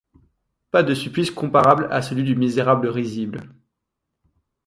Pas de supplice comparable à celui du misérable risible.